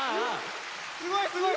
すごいすごい！